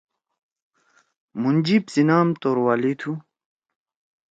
مُھن جیِب سی نام توروالی تُھو۔